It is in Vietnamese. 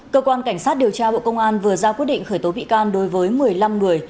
cơ quan cảnh sát điều tra bộ công an vừa ra quyết định khởi tố bị can đối với một mươi năm người